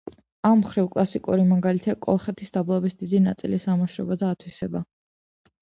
ამ მხრივ კლასიკური მაგალითია კოლხეთის დაბლობის დიდი ნაწილის ამოშრობა და ათვისება.